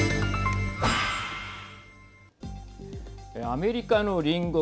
アメリカの隣国